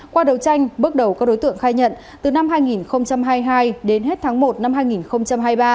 qua đầu tranh bước đầu các đối tượng khai nhận từ năm hai nghìn hai mươi hai đến hết tháng một năm hai nghìn hai mươi ba